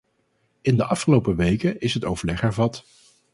In de afgelopen weken is het overleg hervat.